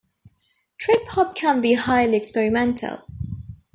Trip hop can be highly experimental.